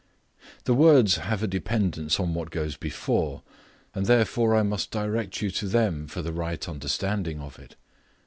THE words have a dependence on what goes before, and therefore I must direct you to them for the right understanding of it.